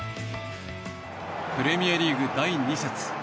プレミアリーグ第２節。